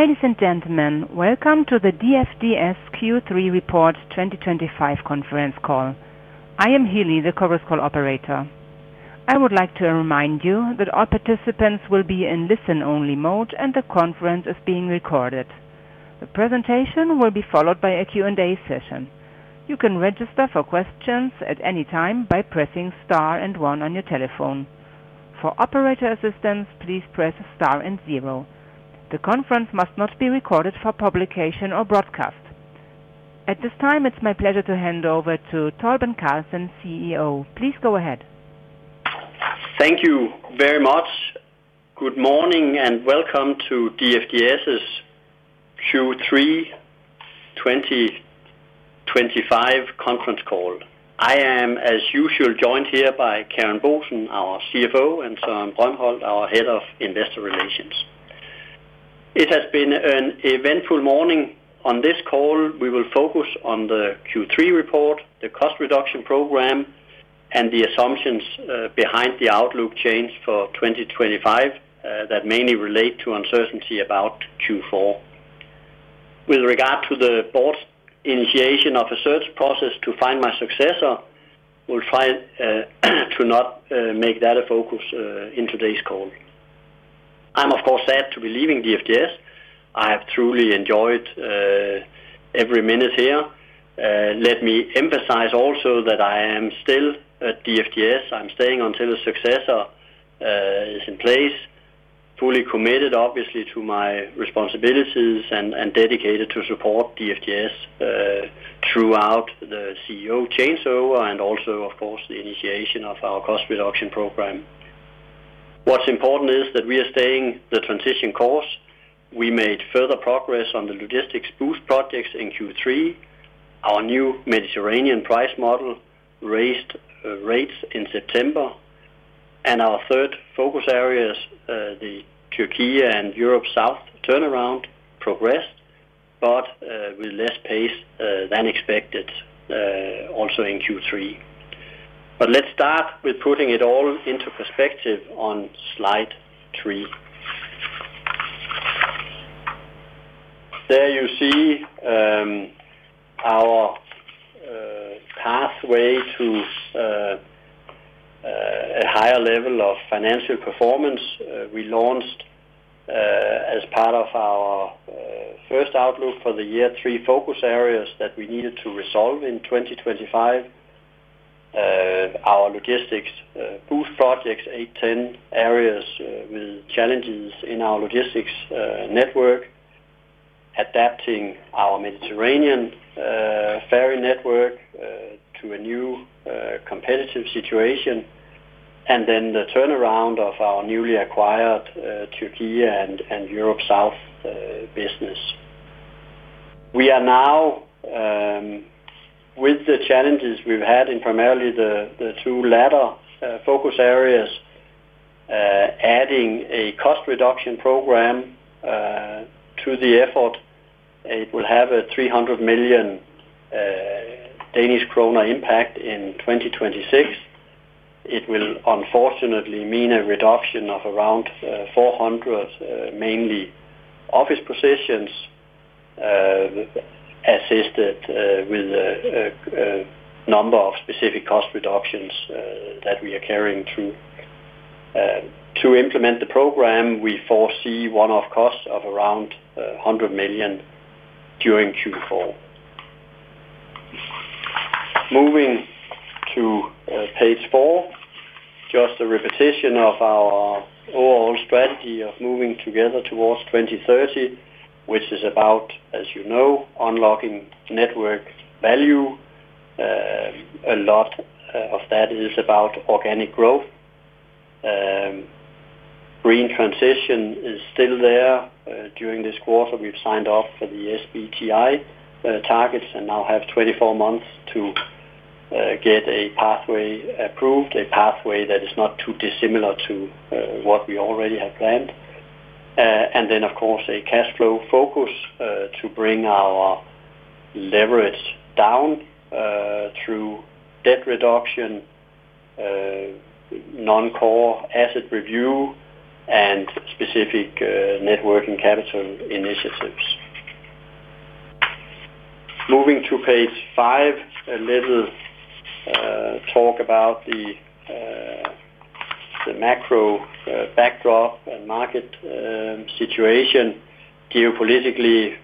Ladies and gentlemen, welcome the DFDS Q3 Report 2025 conference call. I am Healy, the conference call operator. I would like to remind you that all participants will be in listen-only mode and the conference is being recorded. The presentation will be followed by a Q&A session. You can register for questions at any time by pressing star and one on your telephone. For operator assistance, please press star and zero. The conference must not be recorded for publication or broadcast. At this time, it's my pleasure to hand over to Torben Carlsen, CEO. Please go ahead. Thank you very much. Good morning and welcome to DFDS's Q3 2025 conference call. I am, as usual, joined here by Karen Boesen, our CFO, and Søren Brønholt, our Head of Investor Relations. It has been an eventful morning. On this call, we will focus on the Q3 report, the cost reduction program, and the assumptions behind the outlook change for 2025 that mainly relate to uncertainty about Q4. With regard to the board's initiation of a search process to find my successor, we will try to not make that a focus in today's call. I am, of course, sad to be leaving DFDS. I have truly enjoyed every minute here. Let me emphasize also that I am still at DFDS. I am staying until a successor is in place, fully committed, obviously, to my responsibilities and dedicated to support DFDS. Throughout the CEO changeover and also, of course, the initiation of our cost reduction program, what's important is that we are staying the transition course. We made further progress on the logistics boost projects in Q3, our new Mediterranean price model raised rates in September, and our third focus areas, the Türkiye and Europe South turnaround, progressed but with less pace than expected also in Q3. Let's start with putting it all into perspective on slide three. There you see our pathway to a higher level of financial performance. We launched as part of our first outlook for the year three focus areas that we needed to resolve in 2025: our logistics boost projects, eight-ten areas with challenges in our logistics network, adapting our Mediterranean ferry network to a new competitive situation, and then the turnaround of our newly acquired Türkiye and Europe South business. We are now. With the challenges we've had in primarily the two latter focus areas, adding a cost reduction program to the effort. It will have a 300 million Danish kroner impact in 2026. It will unfortunately mean a reduction of around 400, mainly office positions, assisted with a number of specific cost reductions that we are carrying through. To implement the program, we foresee one-off costs of around 100 million during Q4. Moving to page four, just a repetition of our overall strategy of moving together towards 2030, which is about, as you know, unlocking network value. A lot of that is about organic growth. Green transition is still there. During this quarter, we've signed off for the SBTI targets and now have 24 months to get a pathway approved, a pathway that is not too dissimilar to what we already had planned. Then, of course, a cash flow focus to bring our leverage down through debt reduction, non-core asset review, and specific networking capital initiatives. Moving to page five, a little talk about the macro backdrop and market situation. Geopolitically,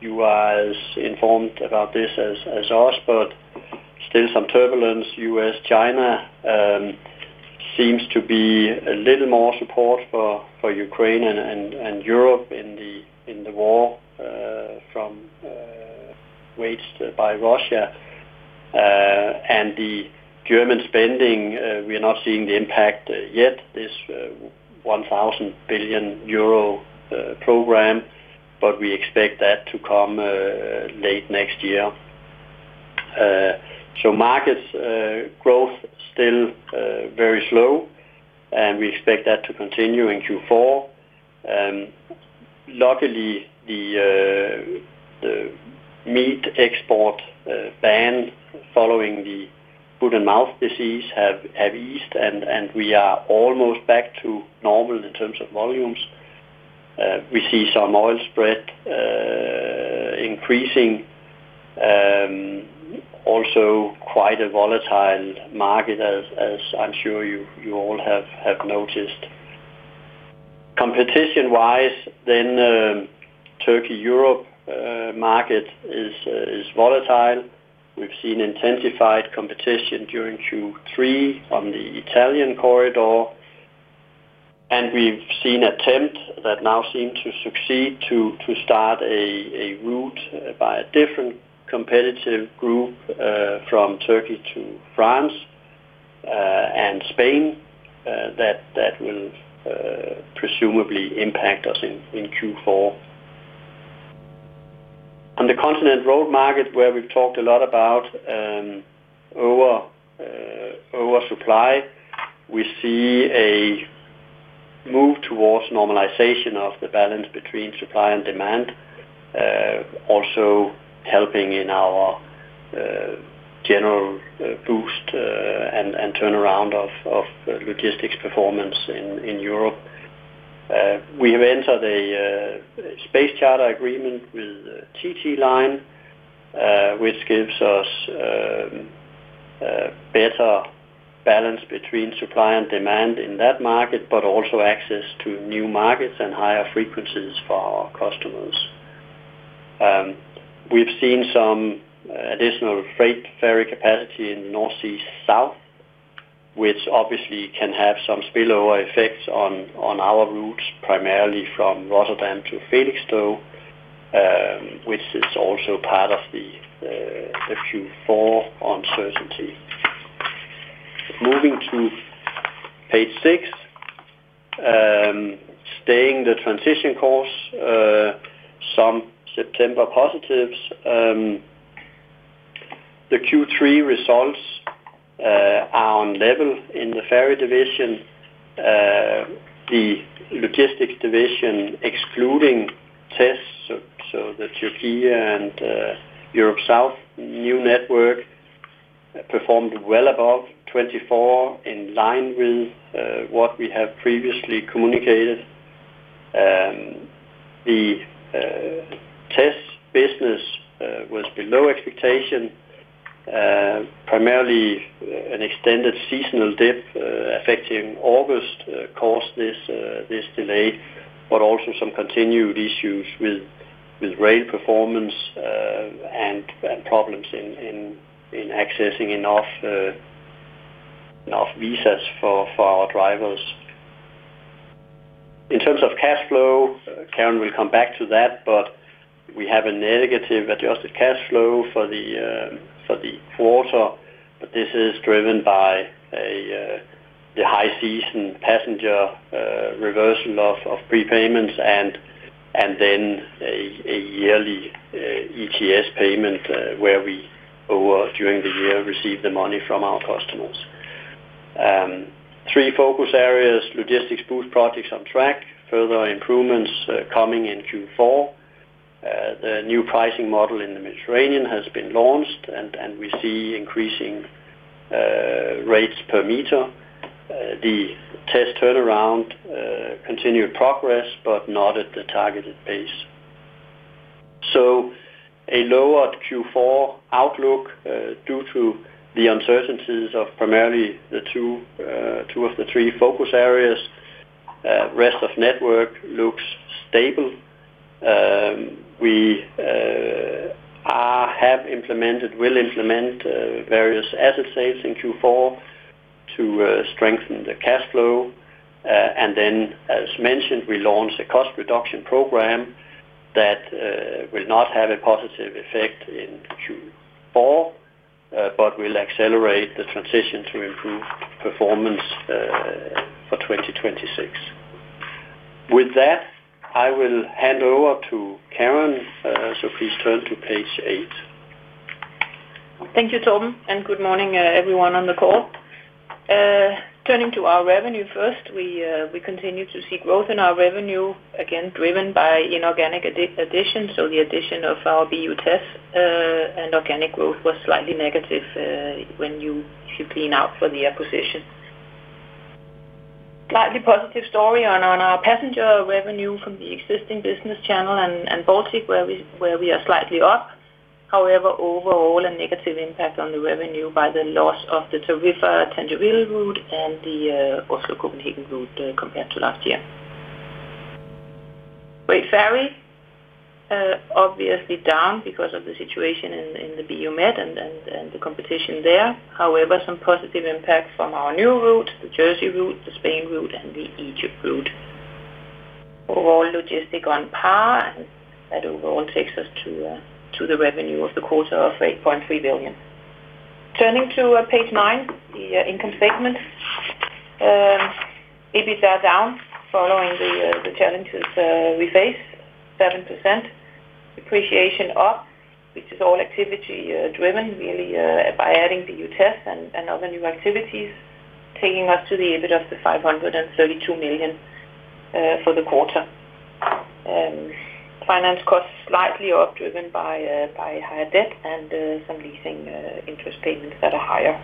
you are as informed about this as us, but still some turbulence. U.S.-China seems to be a little more support for Ukraine and Europe in the war waged by Russia. The German spending, we are not seeing the impact yet, this 1,000 billion euro program, but we expect that to come late next year. Market growth is still very slow, and we expect that to continue in Q4. Luckily, the meat export ban following the foot and mouth disease has eased, and we are almost back to normal in terms of volumes. We see some oil spread increasing. Also quite a volatile market, as I'm sure you all have noticed. Competition-wise, then. Turkey-Europe market is volatile. We've seen intensified competition during Q3 on the Italian corridor. We've seen attempts that now seem to succeed to start a route by a different competitive group from Turkey to France and Spain that will presumably impact us in Q4. On the continent road market, where we've talked a lot about oversupply, we see a move towards normalization of the balance between supply and demand. Also helping in our general boost and turnaround of logistics performance in Europe. We have entered a space charter agreement with TT Line, which gives us better balance between supply and demand in that market, but also access to new markets and higher frequencies for our customers. We've seen some additional freight ferry capacity in the North Sea South. Which obviously can have some spillover effects on our routes, primarily from Rotterdam to Felixstowe. Which is also part of the Q4 uncertainty. Moving to page six. Staying the transition course. Some September positives. The Q3 results are on level in the ferry division. The logistics division, excluding tests, so the Türkiye and Europe South new network, performed well above 2024, in line with what we have previously communicated. The test business was below expectation. Primarily an extended seasonal dip affecting August caused this delay, but also some continued issues with rail performance and problems in accessing enough visas for our drivers. In terms of cash flow, Karen will come back to that, but we have a negative adjusted cash flow for the quarter. This is driven by the high season passenger reversal of prepayments and then. A yearly ETS payment where we over during the year receive the money from our customers. Three focus areas: logistics boost projects on track, further improvements coming in Q4. The new pricing model in the Mediterranean has been launched, and we see increasing rates per meter. The test turnaround, continued progress, but not at the targeted pace. A lowered Q4 outlook due to the uncertainties of primarily the two of the three focus areas. Rest of network looks stable. We have implemented, will implement various asset sales in Q4 to strengthen the cash flow. As mentioned, we launched a cost reduction program that will not have a positive effect in Q4, but will accelerate the transition to improved performance for 2026. With that, I will hand over to Karen, so please turn to page eight. Thank you, Torben, and good morning, everyone on the call. Turning to our revenue first, we continue to see growth in our revenue, again driven by inorganic addition. So the addition of our BU tests and organic growth was slightly negative when you clean out for the acquisition. Slightly positive story on our passenger revenue from the existing business Channel and Baltic, where we are slightly up. However, overall, a negative impact on the revenue by the loss of the Tarifa-Tangierville route and the Oslo-Copenhagen route compared to last year. Freight ferry, obviously down because of the situation in the BUMET and the competition there. However, some positive impact from our new route, the Jersey route, the Spain route, and the Egypt route. Overall logistics on par, and that overall takes us to the revenue of the quarter of 8.3 billion. Turning to page nine, the income statement. EBITDA down following the challenges we face, 7%. Depreciation up, which is all activity driven, really by adding BU tests and other new activities, taking us to the EBIT of 532 million for the quarter. Finance costs slightly up, driven by higher debt and some leasing interest payments that are higher.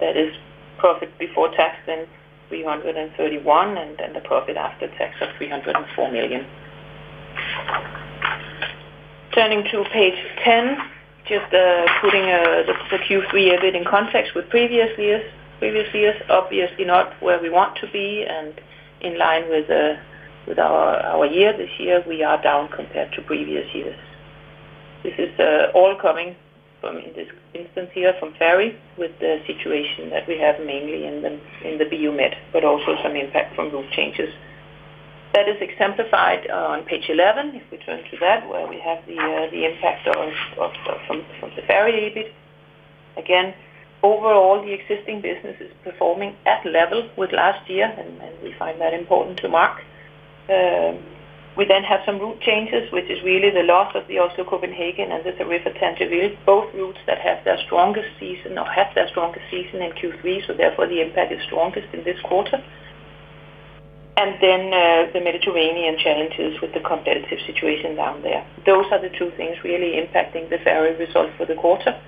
That is profit before tax then DKK 331 million, and the profit after tax of 304 million. Turning to page 10, just putting the Q3 EBIT in context with previous years. Obviously not where we want to be, and in line with our year this year, we are down compared to previous years. This is all coming in this instance here from ferry with the situation that we have mainly in the BUMET, but also some impact from route changes. That is exemplified on page 11, if we turn to that, where we have the impact of the ferry EBIT. Again, overall, the existing business is performing at level with last year, and we find that important to mark. We then have some route changes, which is really the loss of the Oslo-Copenhagen and the Tarifa-Tangerville, both routes that have their strongest season or had their strongest season in Q3, so therefore the impact is strongest in this quarter. The Mediterranean challenges with the competitive situation down there. Those are the two things really impacting the ferry result for the quarter.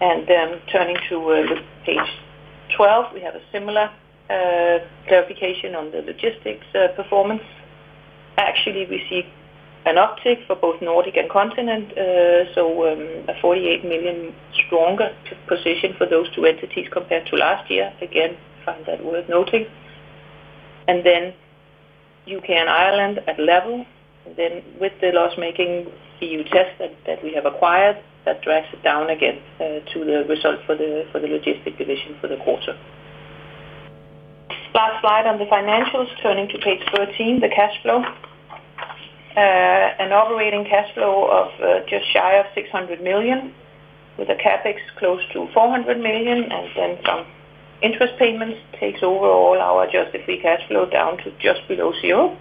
Turning to page 12, we have a similar clarification on the logistics performance. Actually, we see an uptick for both Nordic and continent, so a 48 million stronger position for those two entities compared to last year. Again, we find that worth noting. And then. U.K. and Ireland at level, and then with the loss-making BU test that we have acquired, that drags it down again to the result for the logistics division for the quarter. Last slide on the financials. Turning to page 13, the cash flow. An operating cash flow of just shy of 600 million, with a CapEx close to 400 million, and then some interest payments takes overall our adjusted free cash flow down to just below zero.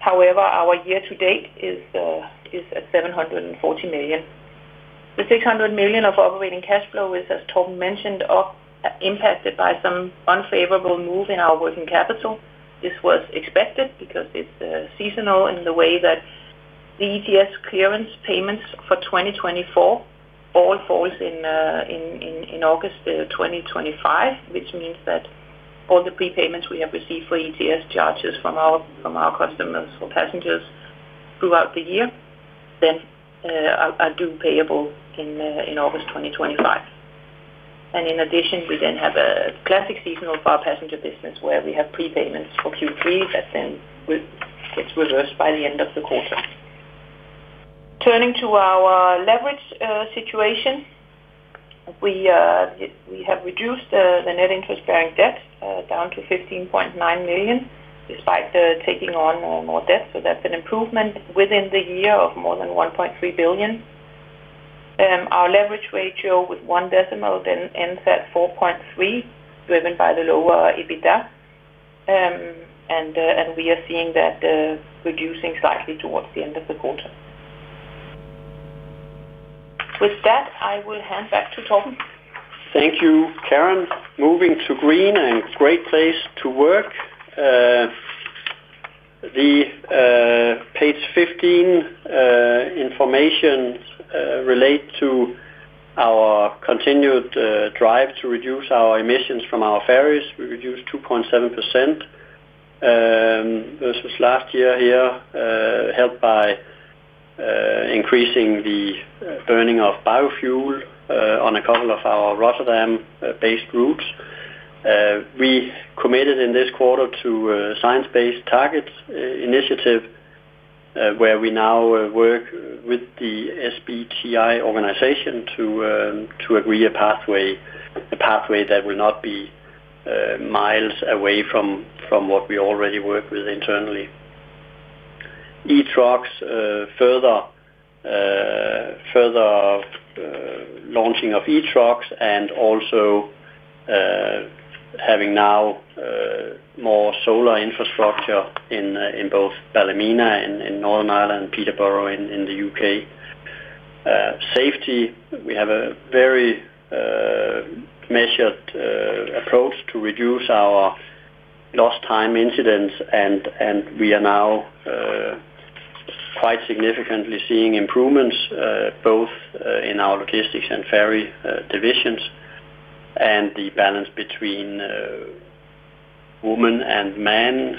However, our year-to-date is at 740 million. The 600 million of operating cash flow, as Torben mentioned, impacted by some unfavorable move in our working capital. This was expected because it is seasonal in the way that the ETS clearance payments for 2024 all fall in August 2025, which means that all the prepayments we have received for ETS charges from our customers or passengers throughout the year then. Are due payable in August 2025. In addition, we then have a classic seasonal for our passenger business where we have prepayments for Q3 that then gets reversed by the end of the quarter. Turning to our leverage situation. We have reduced the net interest-bearing debt down to 15.9 million despite taking on more debt, so that's an improvement within the year of more than 1.3 billion. Our leverage ratio with one decimal then ends at 4.3, driven by the lower EBITDA. We are seeing that reducing slightly towards the end of the quarter. With that, I will hand back to Torben. Thank you, Karen. Moving to green, a great place to work. The page 15 information relates to our continued drive to reduce our emissions from our ferries. We reduced 2.7% versus last year here, helped by increasing the burning of biofuel on a couple of our Rotterdam-based routes. We committed in this quarter to a science-based target initiative, where we now work with the SBTI organization to agree a pathway that will not be miles away from what we already work with internally. Further, launching of e-trucks and also having now more solar infrastructure in both Ballymena in Northern Ireland and Peterborough in the U.K. Safety, we have a very measured approach to reduce our lost-time incidents, and we are now quite significantly seeing improvements both in our logistics and ferry divisions. And the balance between women and men.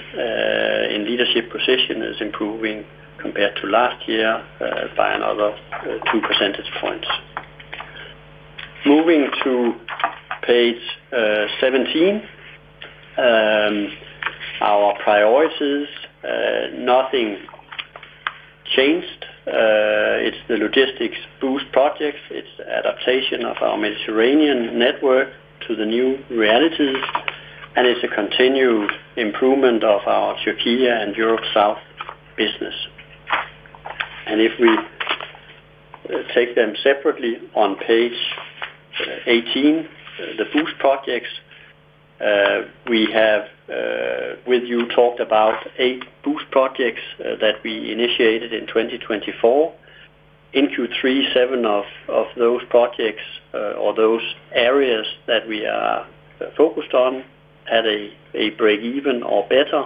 In leadership positions is improving compared to last year by another 2 percentage points. Moving to page 17. Our priorities. Nothing changed. It is the logistics boost projects. It is adaptation of our Mediterranean network to the new realities. It is a continued improvement of our Türkiye and Europe South business. If we take them separately on page 18, the boost projects, we have, as we talked about, eight boost projects that we initiated in 2024. In Q3, seven of those projects or those areas that we are focused on had a break-even or better.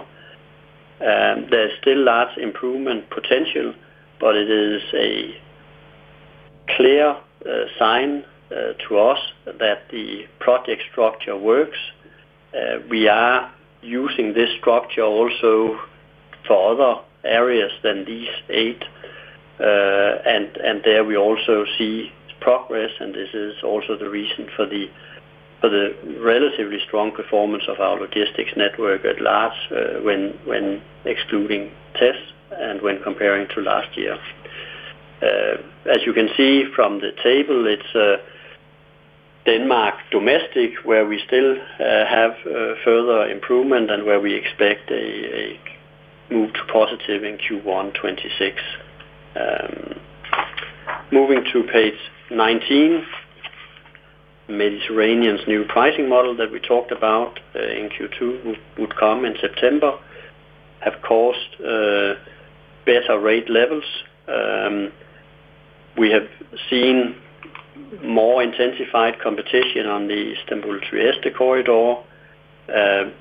There is still large improvement potential, but it is a clear sign to us that the project structure works. We are using this structure also for other areas than these eight. There we also see progress, and this is also the reason for the. Relatively strong performance of our logistics network at large when excluding tests and when comparing to last year. As you can see from the table, it is Denmark domestic, where we still have further improvement and where we expect a move to positive in Q1 2026. Moving to page 19. Mediterranean's new pricing model that we talked about in Q2 would come in September. Have caused better rate levels. We have seen more intensified competition on the Istanbul-Trieste corridor.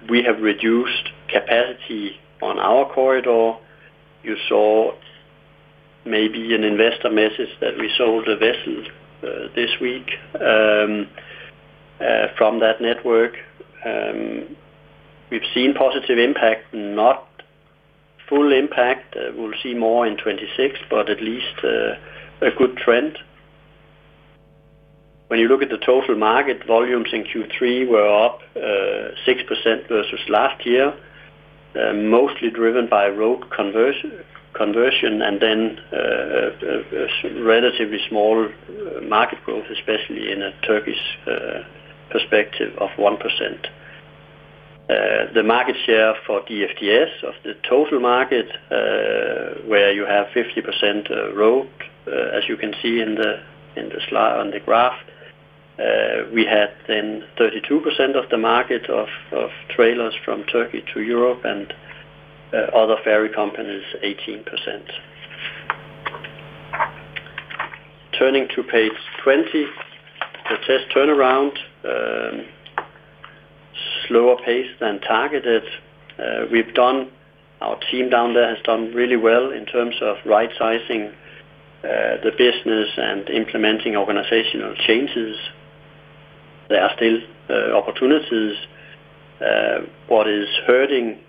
We have reduced capacity on our corridor. You saw maybe an investor message that we sold a vessel this week from that network. We have seen positive impact, not full impact. We will see more in 2026, but at least a good trend. When you look at the total market volumes in Q3, we are up 6% versus last year, mostly driven by route conversion and then relatively small market growth, especially in Türkiye. Perspective of 1%. The market share for DFDS of the total market. Where you have 50% route, as you can see in the graph. We had then 32% of the market of trailers from Turkey to Europe and other ferry companies, 18%. Turning to page 20. The test turnaround. Slower pace than targeted. Our team down there has done really well in terms of right-sizing the business and implementing organizational changes. There are still opportunities. What is hurting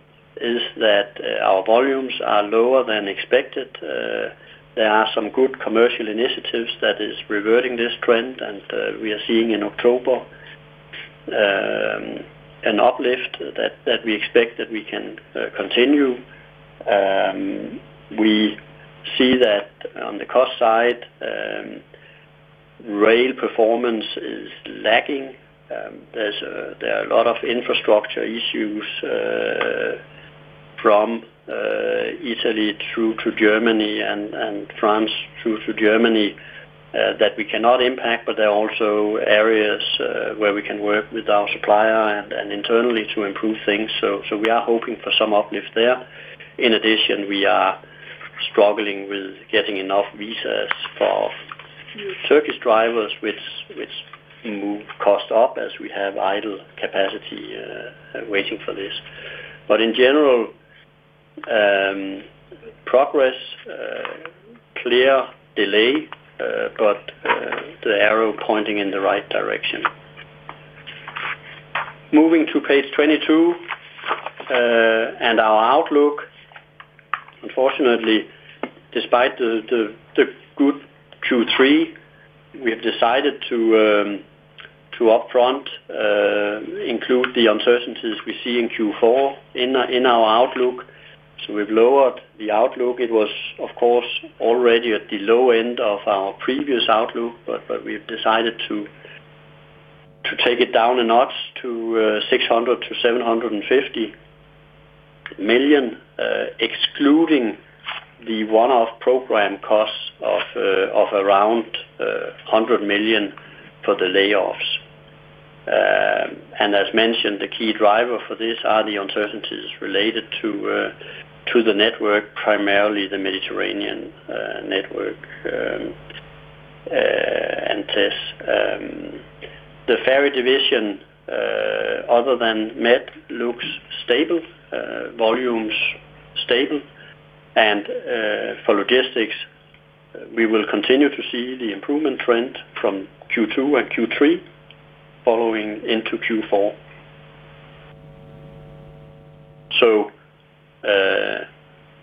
is that our volumes are lower than expected. There are some good commercial initiatives that are reverting this trend, and we are seeing in October an uplift that we expect that we can continue. We see that on the cost side. Rail performance is lagging. There are a lot of infrastructure issues. From. Italy through to Germany and France through to Germany that we cannot impact, but there are also areas where we can work with our supplier and internally to improve things. We are hoping for some uplift there. In addition, we are struggling with getting enough visas for Turkish drivers, which moves costs up as we have idle capacity waiting for this. In general, progress. Clear delay, but the arrow pointing in the right direction. Moving to page 22 and our outlook. Unfortunately, despite the good Q3, we have decided to upfront include the uncertainties we see in Q4 in our outlook. We have lowered the outlook. It was, of course, already at the low end of our previous outlook, but we have decided to take it down a notch to 600 million-750 million, excluding the one-off program cost of around 100 million for the layoffs. As mentioned, the key driver for this are the uncertainties related to the network, primarily the Mediterranean network and tests. The ferry division, other than Mediterranean, looks stable. Volumes stable. For logistics, we will continue to see the improvement trend from Q2 and Q3 following into Q4.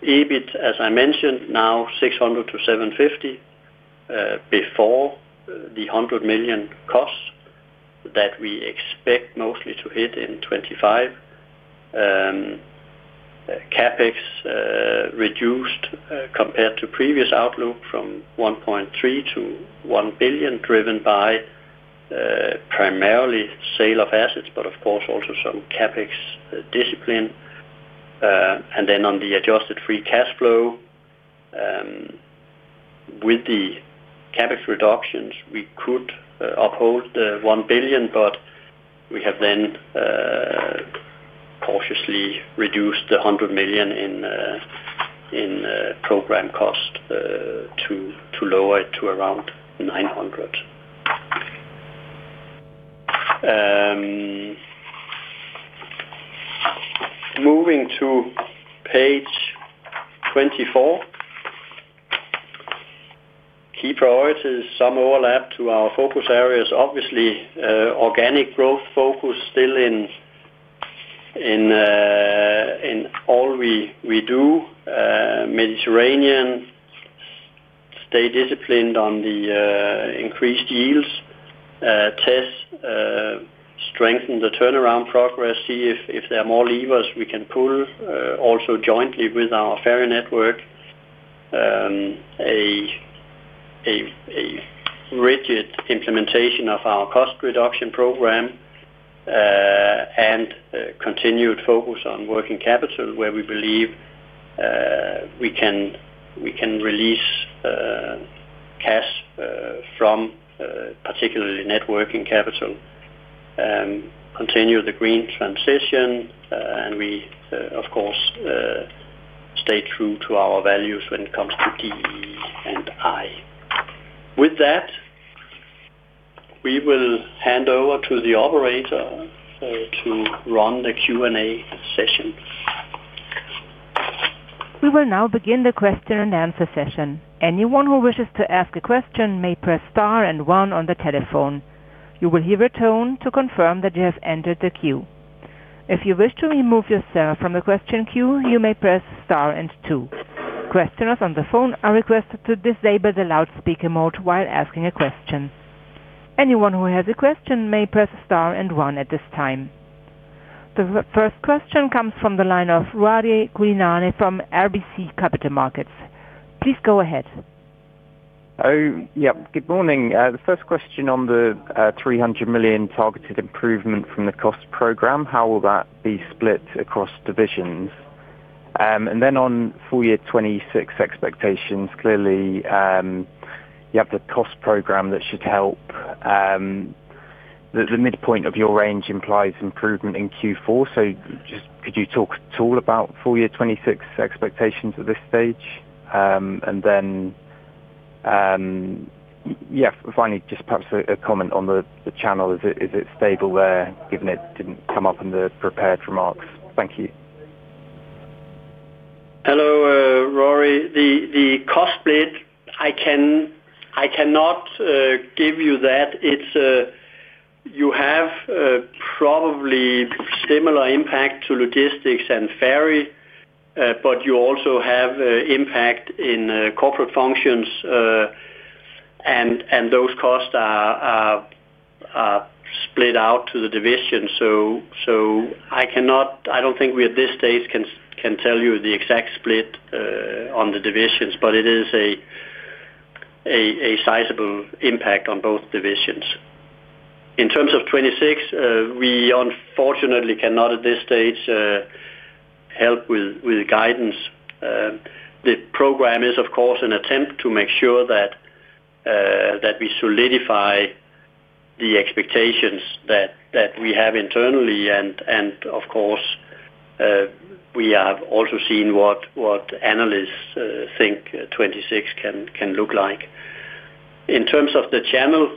EBIT, as I mentioned, now 600 million-750 million before the 100 million cost that we expect mostly to hit in 2025. CapEx reduced compared to previous outlook from 1.3 billion to 1 billion, driven by primarily sale of assets, but of course also some CapEx discipline. On the adjusted free cash flow, with the CapEx reductions, we could uphold the 1 billion, but we have then cautiously reduced the 100 million in program cost to lower it to around 900 million. Moving to page 24. Key priorities, some overlap to our focus areas. Obviously, organic growth focus still in. All we do. Mediterranean. Stay disciplined on the increased yields. Test. Strengthen the turnaround progress, see if there are more levers we can pull, also jointly with our ferry network. A rigid implementation of our cost reduction program. Continued focus on working capital, where we believe we can release cash from particularly working capital. Continue the green transition, and we, of course, stay true to our values when it comes to DE&I. With that, we will hand over to the operator to run the Q&A session. We will now begin the question and answer session. Anyone who wishes to ask a question may press star and one on the telephone. You will hear a tone to confirm that you have entered the queue. If you wish to remove yourself from the question queue, you may press star and two. Questioners on the phone are requested to disable the loudspeaker mode while asking a question. Anyone who has a question may press star and one at this time. The first question comes from the line of Rory Quinal from RBC Capital Markets. Please go ahead. Yeah. Good morning. The first question on the 300 million targeted improvement from the cost program, how will that be split across divisions? And then on full year 2026 expectations, clearly. You have the cost program that should help. The midpoint of your range implies improvement in Q4. Could you talk at all about full year 2026 expectations at this stage? Yeah, finally, just perhaps a comment on the Channel. Is it stable there, given it did not come up in the prepared remarks? Thank you. Hello, Rory. The cost plate, I cannot give you that. You have probably similar impact to logistics and ferry, but you also have impact in corporate functions. Those costs are split out to the division. I do not think we at this stage can tell you the exact split on the divisions, but it is a sizable impact on both divisions. In terms of 2026, we unfortunately cannot at this stage help with guidance. The program is, of course, an attempt to make sure that we solidify the expectations that we have internally. Of course, we have also seen what analysts think 2026 can look like. In terms of the Channel,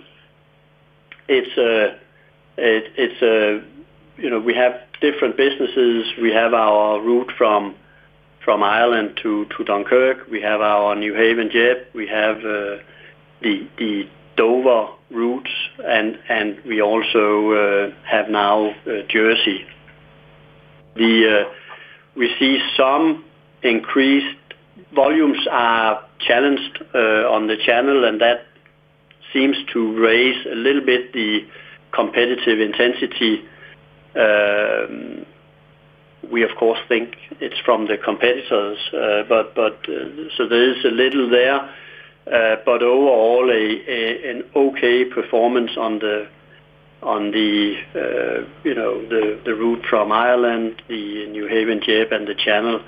we have different businesses. We have our route from Ireland to Dunkirk. We have our New Haven Jet. We have the Dover route, and we also have now Jersey. We. See some increased volumes are challenged on the Channel, and that seems to raise a little bit the competitive intensity. We, of course, think it's from the competitors, but. There is a little there. Overall, an okay performance on the route from Ireland, the New Haven Jet, and the Channel.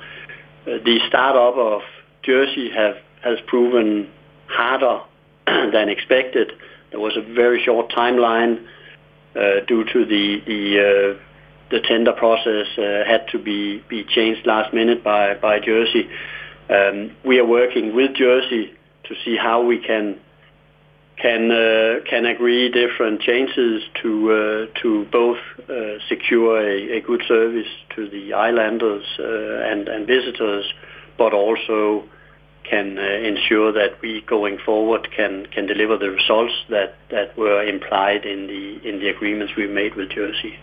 The startup of Jersey has proven harder than expected. There was a very short timeline due to the tender process that had to be changed last minute by Jersey. We are working with Jersey to see how we can agree different changes to both secure a good service to the islanders and visitors, but also can ensure that we, going forward, can deliver the results that were implied in the agreements we made with Jersey.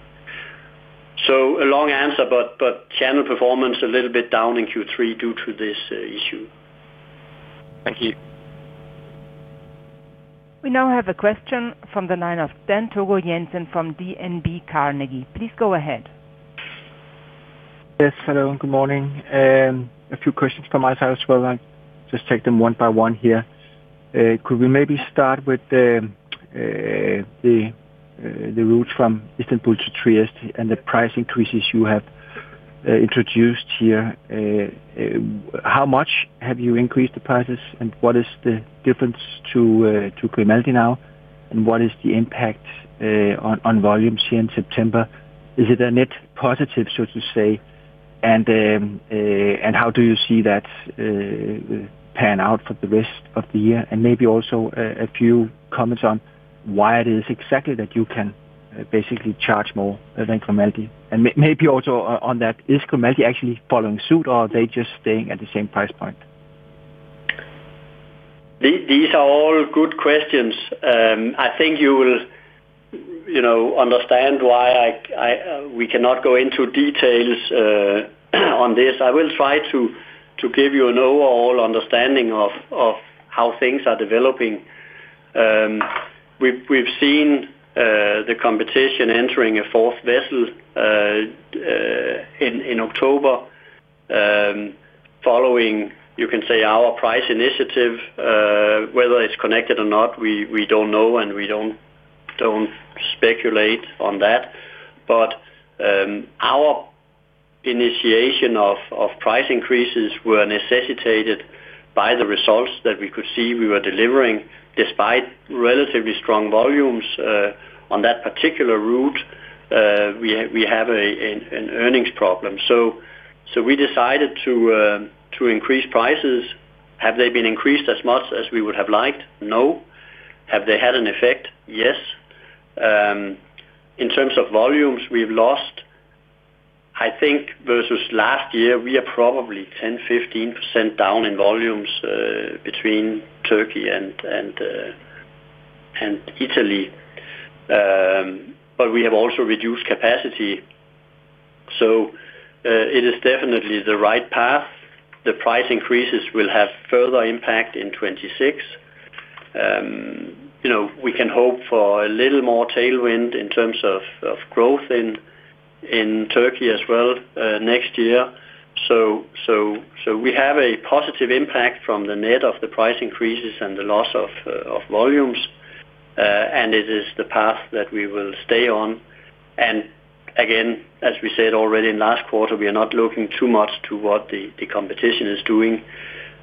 A long answer, but Channel performance a little bit down in Q3 due to this issue. Thank you. We now have a question from the line of Dan Togo Jensen from DNB Carnegie. Please go ahead. Yes. Hello. Good morning. A few questions from my side as well. I'll just take them one by one here. Could we maybe start with the route from Istanbul to Trieste and the price increases you have introduced here? How much have you increased the prices, and what is the difference to Grimaldi now? What is the impact on volumes here in September? Is it a net positive, so to say? How do you see that pan out for the rest of the year? Maybe also a few comments on why it is exactly that you can basically charge more than Grimaldi? Maybe also on that, is Grimaldi actually following suit, or are they just staying at the same price point? These are all good questions. I think you will understand why we cannot go into details on this. I will try to give you an overall understanding of how things are developing. We've seen the competition entering a fourth vessel in October. Following, you can say, our price initiative. Whether it's connected or not, we don't know, and we don't speculate on that. Our initiation of price increases was necessitated by the results that we could see we were delivering. Despite relatively strong volumes on that particular route, we have an earnings problem. We decided to increase prices. Have they been increased as much as we would have liked? No. Have they had an effect? Yes. In terms of volumes, we've lost, I think, versus last year, we are probably 10-15% down in volumes between Turkey and Italy. We have also reduced capacity. It is definitely the right path. The price increases will have further impact in 2026. We can hope for a little more tailwind in terms of growth in Turkey as well next year. We have a positive impact from the net of the price increases and the loss of volumes. It is the path that we will stay on. As we said already in last quarter, we are not looking too much to what the competition is doing.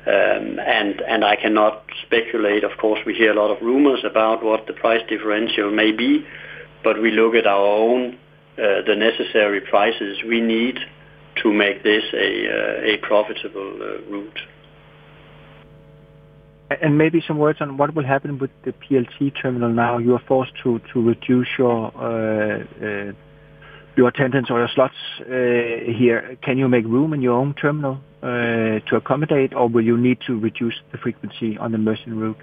I cannot speculate. Of course, we hear a lot of rumors about what the price differential may be, but we look at our own, the necessary prices we need to make this a profitable route. Maybe some words on what will happen with the PLT terminal now. You are forced to reduce your attendance or your slots here. Can you make room in your own terminal to accommodate, or will you need to reduce the frequency on the merchant route?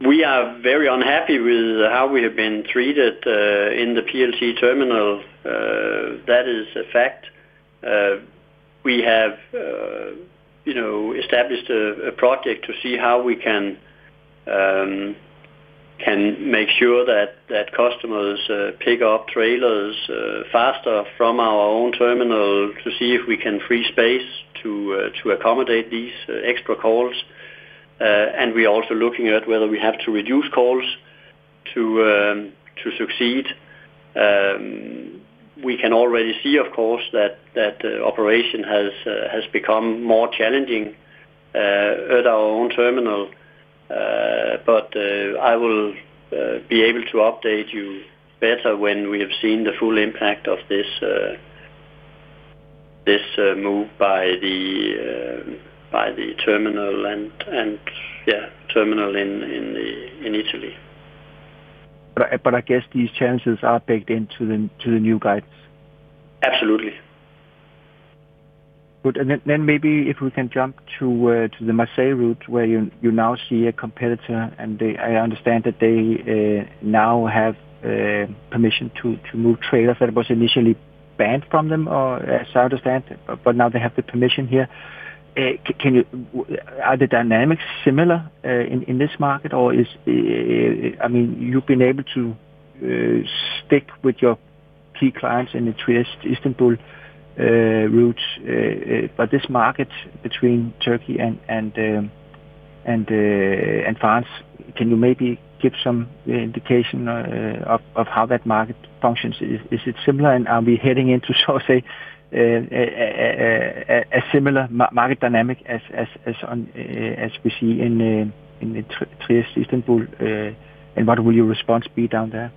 We are very unhappy with how we have been treated in the PLT terminal. That is a fact. We have established a project to see how we can make sure that customers pick up trailers faster from our own terminal to see if we can free space to accommodate these extra calls. We are also looking at whether we have to reduce calls to succeed. We can already see, of course, that the operation has become more challenging at our own terminal. I will be able to update you better when we have seen the full impact of this move by the terminal and, yeah, terminal in Italy. I guess these challenges are baked into the new guidance. Absolutely. Good. Maybe if we can jump to the Marseille route, where you now see a competitor, I understand that they now have permission to move trailers that was initially banned from them, as I understand, but now they have the permission here. Are the dynamics similar in this market? I mean, you've been able to stick with your key clients in the Trieste-Istanbul route, but this market between Turkey and France, can you maybe give some indication of how that market functions? Is it similar, and are we heading into, so to say, a similar market dynamic as we see in Trieste-Istanbul? What will your response be down there?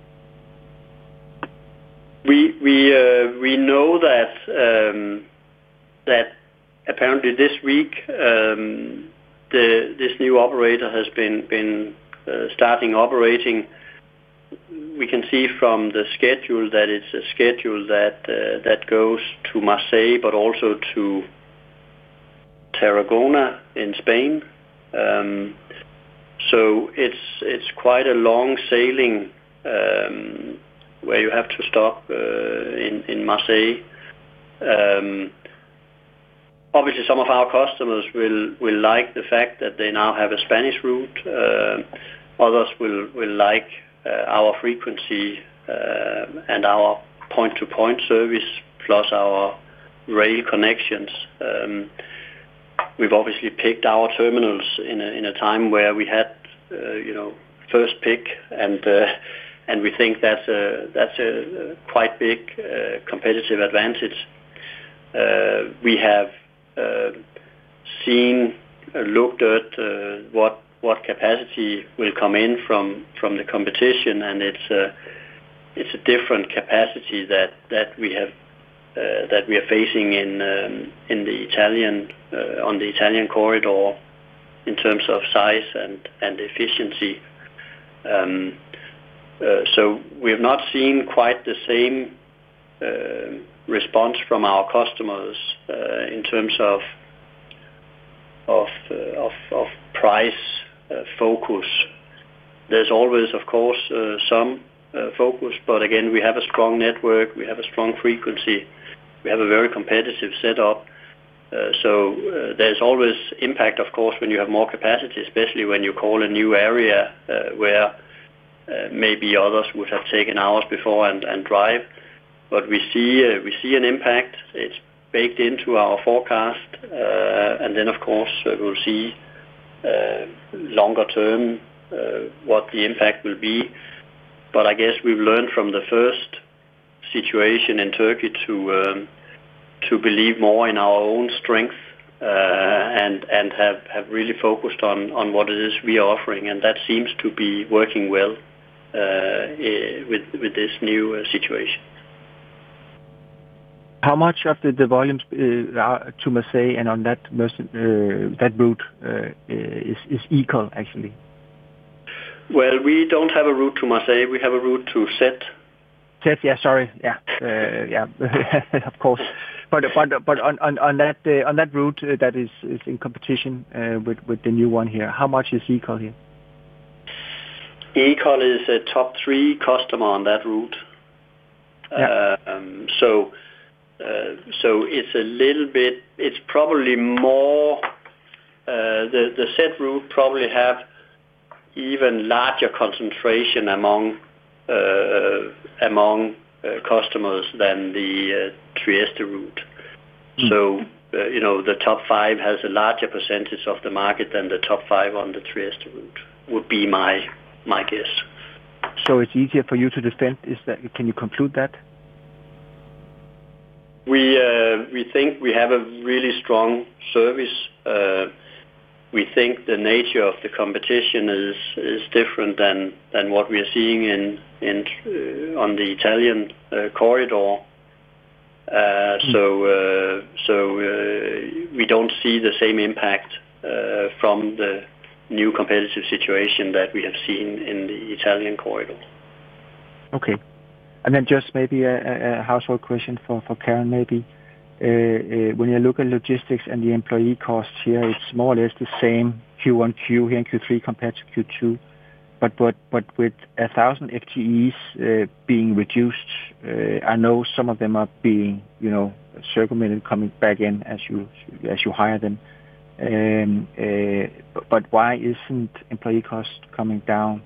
We know that. Apparently this week this new operator has been starting operating. We can see from the schedule that it is a schedule that goes to Marseille, but also to Tarragona in Spain. It is quite a long sailing where you have to stop in Marseille. Obviously, some of our customers will like the fact that they now have a Spanish route. Others will like our frequency and our point-to-point service, plus our rail connections. We have obviously picked our terminals in a time where we had first pick, and we think that is a quite big competitive advantage. We have seen, looked at what capacity will come in from the competition, and it is a different capacity that we are facing on the Italian corridor in terms of size and efficiency. We have not seen quite the same response from our customers in terms of price focus. is always, of course, some focus, but again, we have a strong network. We have a strong frequency. We have a very competitive setup. There is always impact, of course, when you have more capacity, especially when you call a new area where maybe others would have taken hours before and drive. We see an impact. It is baked into our forecast. Of course, we will see longer term what the impact will be. I guess we have learned from the first situation in Turkey to believe more in our own strength and have really focused on what it is we are offering. That seems to be working well with this new situation. How much of the volumes to Marseille and on that route is Ekol, actually? We do not have a route to Marseille. We have a route to Sète. Sète, yeah. Sorry. Yeah. Yeah. Of course. On that route that is in competition with the new one here, how much is Ekol here? ECOL is a top three customer on that route. It's a little bit, it's probably more, the Sète route probably has even larger concentration among customers than the Trieste route. The top five has a larger percentage of the market than the top five on the Trieste route, would be my guess. Is it easier for you to defend? Can you conclude that? We think we have a really strong service. We think the nature of the competition is different than what we are seeing on the Italian corridor. We do not see the same impact from the new competitive situation that we have seen in the Italian corridor. Okay. And then just maybe a household question for Karen, maybe. When you look at logistics and the employee costs here, it's more or less the same Q1, Q2, and Q3 compared to Q2. With 1,000 FTEs being reduced, I know some of them are being circumvented, coming back in as you hire them. Why isn't employee cost coming down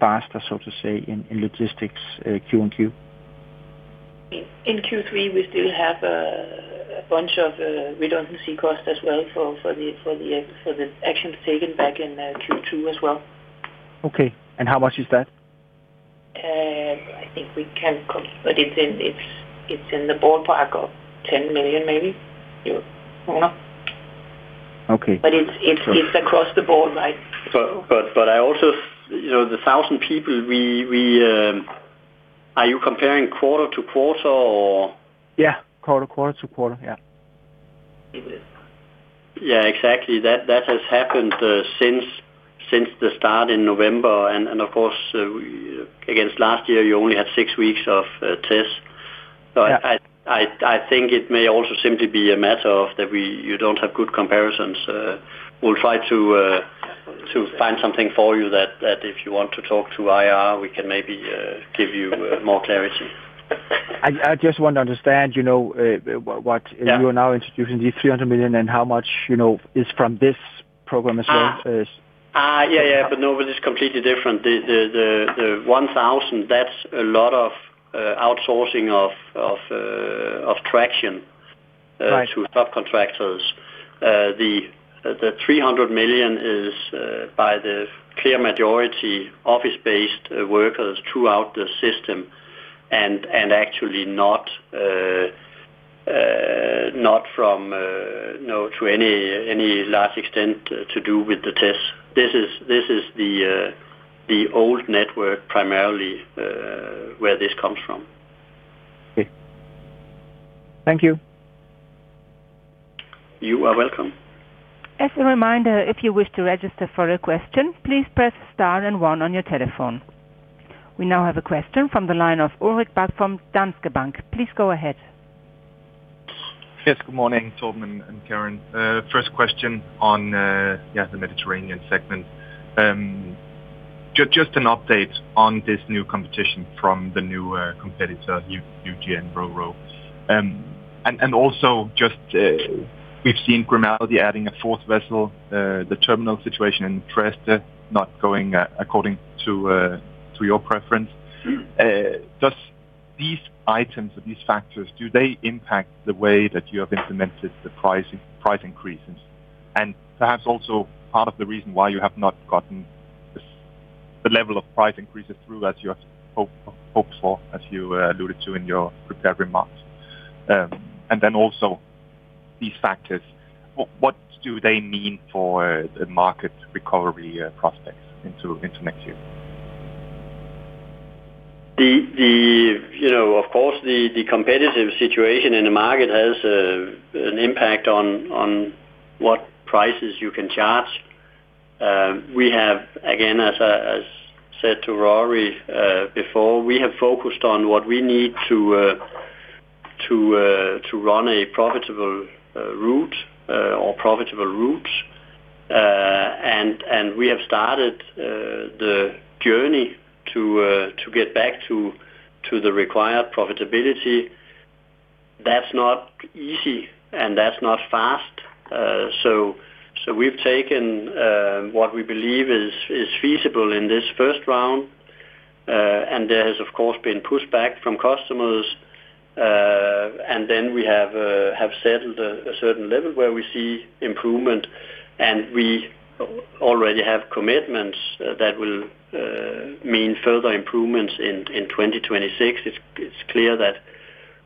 faster, so to say, in logistics, Q1, Q2? In Q3, we still have a bunch of redundancy cost as well for the actions taken back in Q2 as well. Okay. How much is that? I think we can but it's in the ballpark of 10 million, maybe. Okay. It's across the board, right? I also, the 1,000 people, we. Are you comparing quarter to quarter, or? Yeah, quarter to quarter, yeah. It is. Yeah, exactly. That has happened since the start in November. Of course, against last year, you only had six weeks of tests. I think it may also simply be a matter of that you do not have good comparisons. We will try to find something for you that, if you want to talk to IR, we can maybe give you more clarity. I just want to understand. What you are now introducing, the 300 million, and how much is from this program as well? Yeah, yeah. No, it's completely different. The 1,000, that's a lot of outsourcing of traction to subcontractors. The 300 million is by the clear majority office-based workers throughout the system, and actually not from, to any large extent, to do with the tests. This is the old network primarily where this comes from. Okay. Thank you. You are welcome. As a reminder, if you wish to register for a question, please press star and one on your telephone. We now have a question from the line of Ulrich Barth from Danske Bank. Please go ahead. Yes. Good morning, Torben and Karen. First question on, yeah, the Mediterranean segment. Just an update on this new competition from the new competitor, UGN Ro-Ro. Also just, we've seen Grimaldi adding a fourth vessel, the terminal situation in Trieste not going according to your preference. Do these items or these factors, do they impact the way that you have implemented the price increases? Perhaps also part of the reason why you have not gotten the level of price increases through as you have hoped for, as you alluded to in your prepared remarks. Also, these factors, what do they mean for the market recovery prospects into next year? Of course, the competitive situation in the market has an impact on what prices you can charge. We have, again, as said to Rory before, we have focused on what we need to run a profitable route or profitable routes. We have started the journey to get back to the required profitability. That's not easy, and that's not fast. We have taken what we believe is feasible in this first round. There has, of course, been pushback from customers. We have settled at a certain level where we see improvement. We already have commitments that will mean further improvements in 2026. It's clear that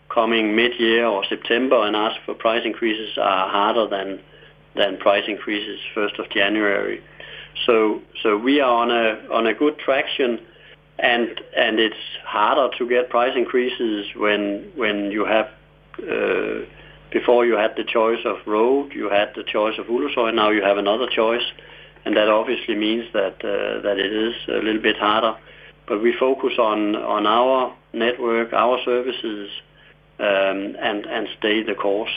coming mid-year or September and asking for price increases are harder than price increases 1st of January. We are on a good traction. It's harder to get price increases when you have. Before you had the choice of Road, you had the choice of Ulussoy. Now you have another choice. That obviously means that it is a little bit harder. We focus on our network, our services, and stay the course.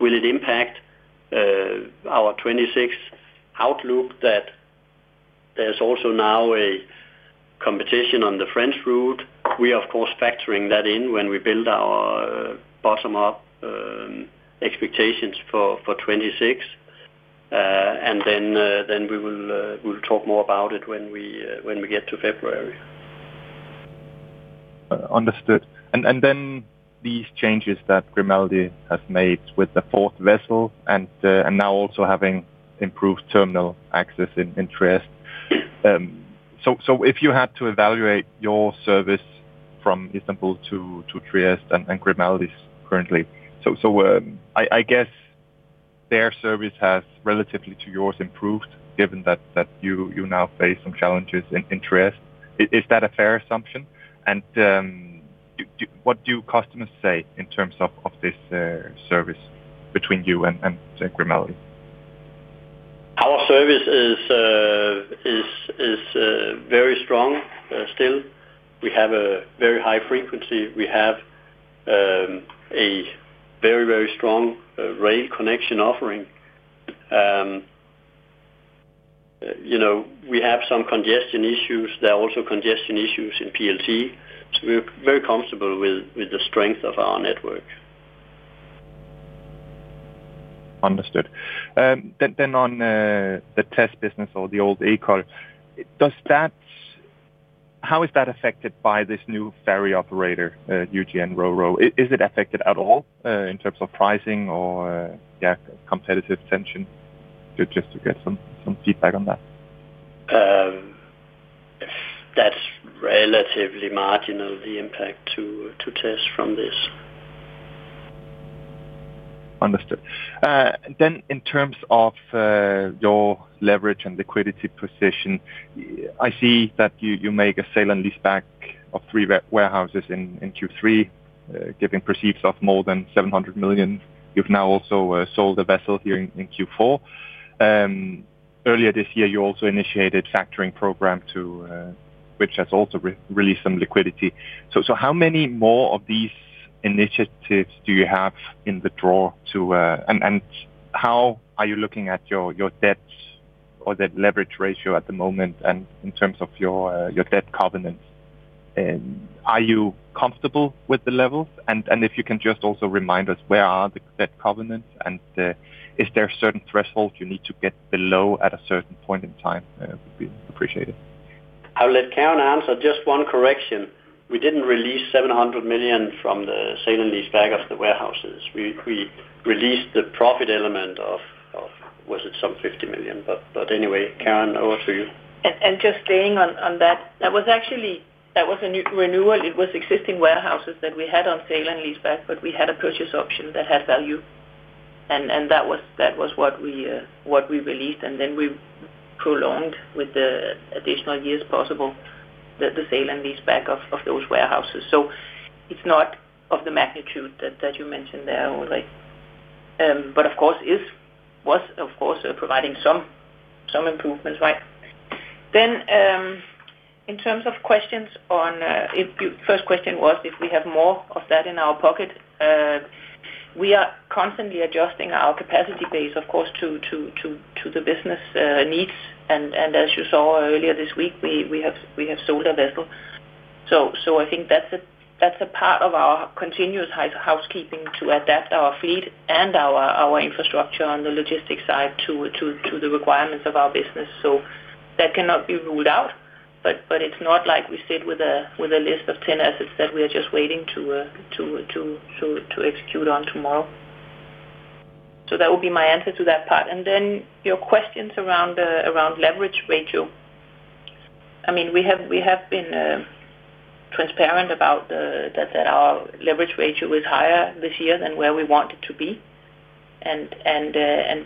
Will it impact our 2026 outlook that there is also now a competition on the French route? We, of course, factor that in when we build our bottom-up expectations for 2026. We will talk more about it when we get to February. Understood. And then these changes that Grimaldi has made with the fourth vessel and now also having improved terminal access in Trieste. If you had to evaluate your service from Istanbul to Trieste and Grimaldi's currently, I guess their service has, relatively to yours, improved, given that you now face some challenges in Trieste. Is that a fair assumption? What do customers say in terms of this service between you and Grimaldi? Our service is very strong still. We have a very high frequency. We have a very, very strong rail connection offering. We have some congestion issues. There are also congestion issues in PLT. We are very comfortable with the strength of our network. Understood. Then on the test business or the old Ekol, how is that affected by this new ferry operator, UGN Ro-Ro? Is it affected at all in terms of pricing or, yeah, competitive tension? Just to get some feedback on that. That's relatively marginal, the impact to Ekol from this. Understood. Then in terms of your leverage and liquidity position, I see that you make a sale and leaseback of three warehouses in Q3, giving proceeds of more than 700 million. You've now also sold a vessel here in Q4. Earlier this year, you also initiated a factoring program, which has also released some liquidity. How many more of these initiatives do you have in the drawer? How are you looking at your debt or debt leverage ratio at the moment and in terms of your debt covenants? Are you comfortable with the levels? If you can just also remind us, where are the debt covenants? Is there a certain threshold you need to get below at a certain point in time? It would be appreciated. I'll let Karen answer. Just one correction. We did not release 700 million from the sale and lease back of the warehouses. We released the profit element of, was it some 50 million? But anyway, Karen, over to you. Just staying on that, that was actually a renewal. It was existing warehouses that we had on sale and lease back, but we had a purchase option that had value. That was what we released, and we prolonged with the additional years possible the sale and lease back of those warehouses. It is not of the magnitude that you mentioned there, Ulrich. Of course, it was providing some improvements, right? In terms of questions on the first question, if we have more of that in our pocket, we are constantly adjusting our capacity base, of course, to the business needs. As you saw earlier this week, we have sold a vessel. I think that is a part of our continuous housekeeping to adapt our fleet and our infrastructure on the logistics side to the requirements of our business. That cannot be ruled out. It's not like we sit with a list of 10 assets that we are just waiting to execute on tomorrow. That would be my answer to that part. Your questions around leverage ratio, I mean, we have been transparent about that our leverage ratio is higher this year than where we want it to be.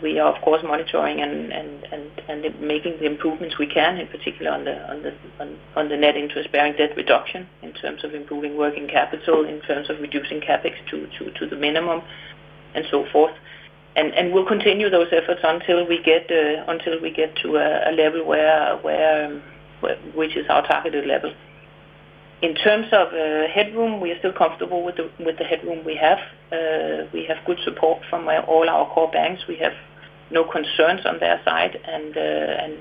We are, of course, monitoring and making the improvements we can, in particular on the net interest-bearing debt reduction, in terms of improving working capital, in terms of reducing CapEx to the minimum, and so forth. We'll continue those efforts until we get to a level which is our targeted level. In terms of headroom, we are still comfortable with the headroom we have. We have good support from all our core banks. We have no concerns on their side.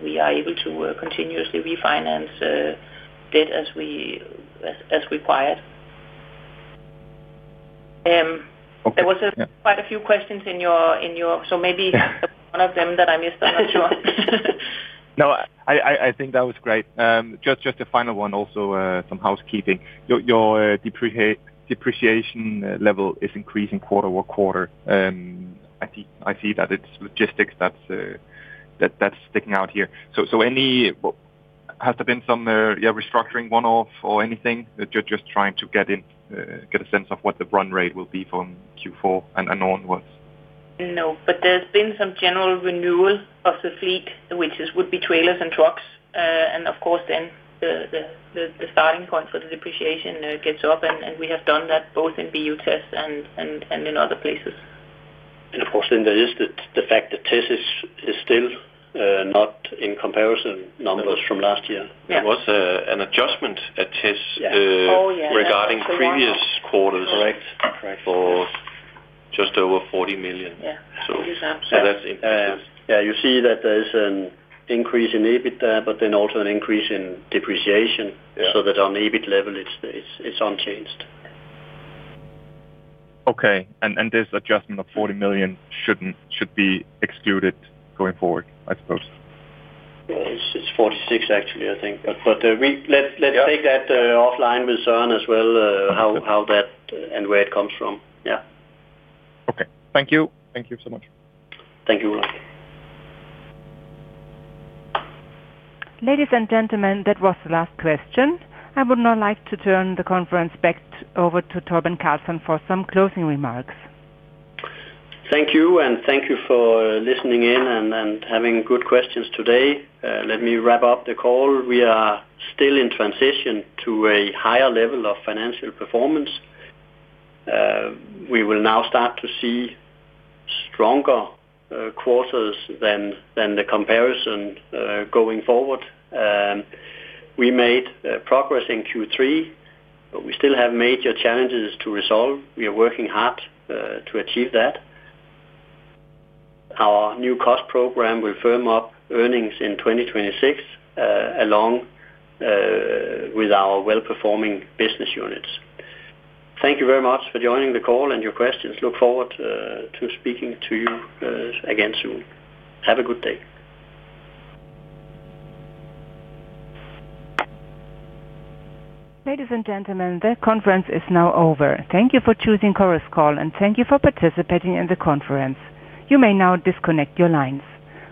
We are able to continuously refinance debt as required. There were quite a few questions in your, so maybe one of them that I missed. I'm not sure. No, I think that was great. Just a final one also, some housekeeping. Your depreciation level is increasing quarter over quarter. I see that it's logistics that's sticking out here. Has there been some, yeah, restructuring one-off or anything? I'm just trying to get a sense of what the run rate will be from Q4 and onwards? No, but there's been some general renewal of the fleet, which would be trailers and trucks. Of course, then the starting point for the depreciation gets up. We have done that both in BU Test and in other places. Of course, then there is the fact that Ekol is still not in comparison numbers from last year. There was an adjustment at Ekol. Yeah. Oh, yeah. Regarding previous quarters. Correct. For just over 40 million. Yeah. So that's improved. That's improved. Yeah. You see that there's an increase in EBIT there, but then also an increase in depreciation. So at our EBIT level, it's unchanged. Okay. This adjustment of 40 million should be excluded going forward, I suppose. It's 46, actually, I think. Let's take that offline with Søren as well, how that and where it comes from. Yeah. Okay. Thank you. Thank you so much. Thank you, Ulrich. Ladies and gentlemen, that was the last question. I would now like to turn the conference back over to Torben Carlsen for some closing remarks. Thank you. Thank you for listening in and having good questions today. Let me wrap up the call. We are still in transition to a higher level of financial performance. We will now start to see stronger quarters than the comparison going forward. We made progress in Q3, but we still have major challenges to resolve. We are working hard to achieve that. Our new cost program will firm up earnings in 2026, along with our well-performing business units. Thank you very much for joining the call and your questions. Look forward to speaking to you again soon. Have a good day. Ladies and gentlemen, the conference is now over. Thank you for choosing Coruscall, and thank you for participating in the conference. You may now disconnect your lines.